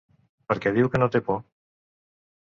Perquè diu que no té por.